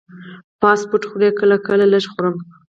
فاسټ فوډ خورئ؟ کله کله، لږ خورم